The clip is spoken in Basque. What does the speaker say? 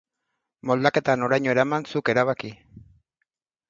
Moldaketa noraino eraman, zuk erabaki!